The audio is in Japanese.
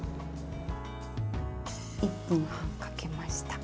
１分半かけました。